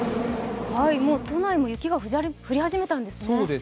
都内も雪が降り始めたんですね。